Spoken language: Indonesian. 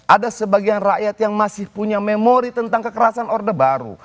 ada sebagian rakyat yang masih punya memori tentang kekerasan orde baru